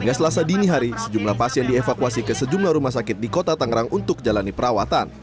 hingga selasa dini hari sejumlah pasien dievakuasi ke sejumlah rumah sakit di kota tangerang untuk jalani perawatan